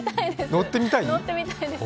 乗ってみたいです。